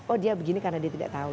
oh dia begini karena dia tidak tahu